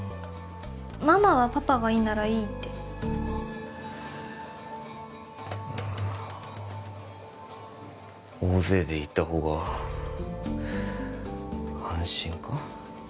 ママはパパがいいならいいってまあ大勢で行ったほうが安心か？